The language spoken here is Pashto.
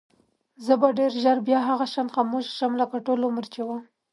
زه به ډېر ژر بیا هغه شان خاموشه شم لکه ټول عمر چې وم.